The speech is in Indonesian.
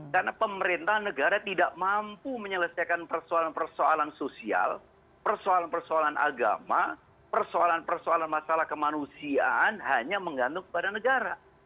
karena pemerintah negara tidak mampu menyelesaikan persoalan persoalan sosial persoalan persoalan agama persoalan persoalan masalah kemanusiaan hanya menggantung kepada negara